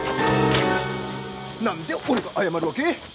何で俺が謝るわけ？